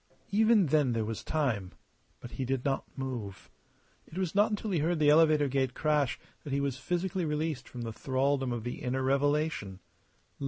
Even then there was time. But he did not move. It was not until he heard the elevator gate crash that he was physically released from the thraldom of the inner revelation.